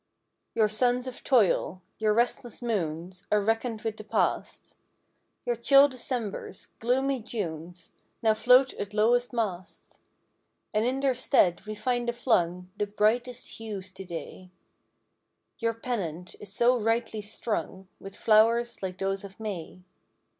Your suns of toil; your restless moons Are reckoned with the past. Your chill Decembers; gloomy Junes Now float at lowest mast. And in their stead we find a flung The brightest hues today— Your pennant is so rightly strung With flowers like those of May.